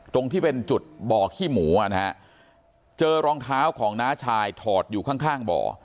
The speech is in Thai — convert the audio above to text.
ตรงที่เป็นจุดบ่อขี้หมูอ่ะนะฮะเจอรองเท้าของน้าชายถอดอยู่ข้างบ่อ